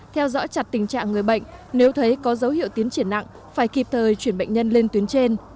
theo dõi chặt tình trạng người bệnh nếu thấy có dấu hiệu tiến triển nặng phải kịp thời chuyển bệnh nhân lên tuyến trên